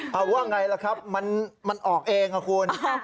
ว่าอย่างไรล่ะครับมันออกเองครับคุณ